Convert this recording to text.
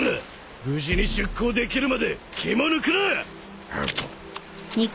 無事に出航できるまで気も抜くな！